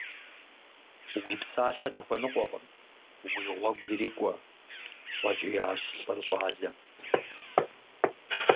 Уи псалъэ дыхуэныкъуэкъым, уи гъуэгу ирикӀуэ! – щӀэкӀиящ лӀыр щӀалэм.